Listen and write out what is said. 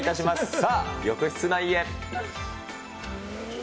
さあ、浴室内へ。